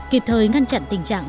kịp thời ngăn chặn tình trạng